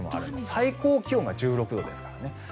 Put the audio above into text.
最高気温が１６度ですからね。